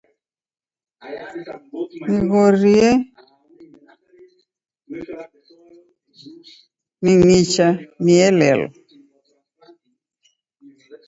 Nighorie ning'icha nielelwe.